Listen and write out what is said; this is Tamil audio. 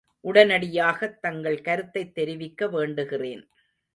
உடனடியாகத் தங்கள் கருத்தைத் தெரிவிக்க வேண்டுகிறேன்.